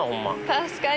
確かに。